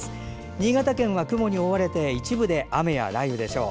新潟県は雲に覆われて一部で雨や雷雨でしょう。